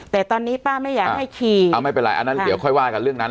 แต่ตอนนี้ป้าไม่อยากให้ขี่เอาไม่เป็นไรอันนั้นเดี๋ยวค่อยว่ากันเรื่องนั้น